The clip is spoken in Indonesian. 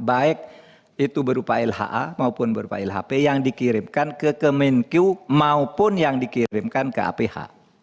baik itu berupa lha maupun berupa lhp yang dikirimkan ke kemenku maupun yang dikirimkan ke aph